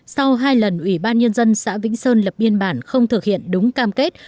sau hai lần ủy ban nhân dân xã vĩnh sơn lập biên bản không thực hiện đúng cam kết